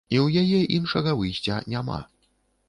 І ў яе іншага выйсця няма.